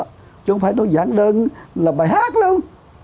chứ không phải tôi giảng đơn là bài hát luôn